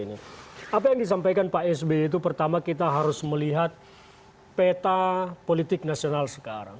apa yang disampaikan pak sby itu pertama kita harus melihat peta politik nasional sekarang